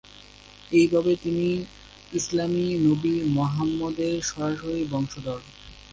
এইভাবে তিনি ইসলামী নবী মুহাম্মদের সরাসরি বংশধর।